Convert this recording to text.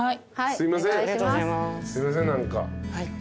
すいません何か。